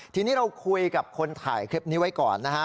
ทีนี้เราคุยกับคนถ่ายคลิปนี้ไว้ก่อนนะฮะ